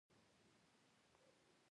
د پښتني فوکلور ځینې خواخوږي او منتقدین.